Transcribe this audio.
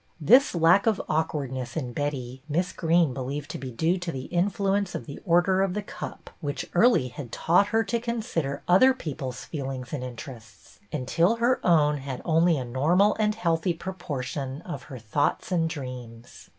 This lack of awkwardness in Betty Miss Greene believed to be due to the influence of the Order of The Cup, which early had taught her to consider other people's feel ings and interests, until her own had only a normal and healthy proportion of her thoughts and dreams.